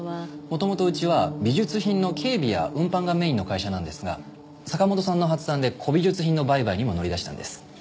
元々うちは美術品の警備や運搬がメインの会社なんですが坂本さんの発案で古美術品の売買にも乗り出したんです。